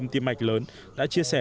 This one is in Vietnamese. các bác sĩ tiêm mạch lớn đã chia sẻ